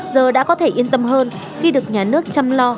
giờ đã có thể yên tâm hơn khi được nhà nước chăm lo